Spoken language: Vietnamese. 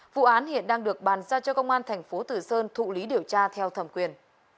vụ án hiện đang được bàn giao cho công an thành phố tử sơn thụ lý điều tra theo thẩm quyền